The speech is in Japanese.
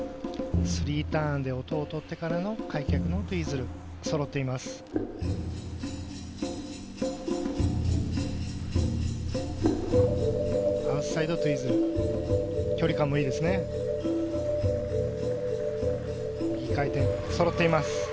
３ターンで音を取ってからの開脚のツイズル、そろっています。